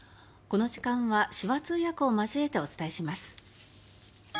この時間は手話通訳を交えてお伝えします。